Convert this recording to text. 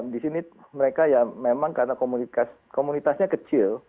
di sini mereka ya memang karena komunitasnya kecil